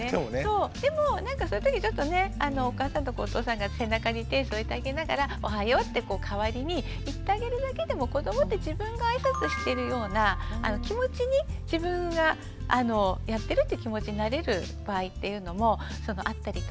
そうでも何かそういうときちょっとねお母さんとかお父さんが背中に手添えてあげながら「おはよう」って代わりに言ってあげるだけでも子どもって自分があいさつしてるような気持ちに自分がやってるって気持ちになれる場合っていうのもあったりとか。